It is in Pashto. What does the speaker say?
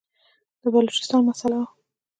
د بلوچستان مسله وه.